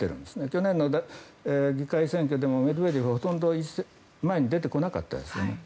去年の議会選挙でもメドベージェフはほとんど前に出てこなかったですね。